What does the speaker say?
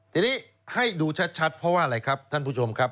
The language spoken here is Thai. ทีนี้ให้ดูชัดเพราะว่าอะไรครับท่านผู้ชมครับ